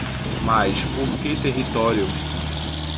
Mas por que território?